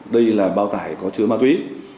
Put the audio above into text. đây là bao tải có chứa ma túy